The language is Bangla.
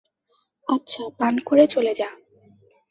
আচ্ছা, পান করে চলে যা।